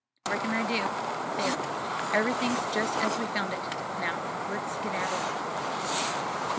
"Reckon I do. There, everything's just as we found it. Now let's skedaddle."